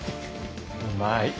うまい。